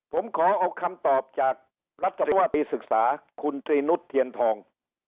ผมขอเอาคำตอบจากตรีศึกษาคุณตรีนุททีอนทอง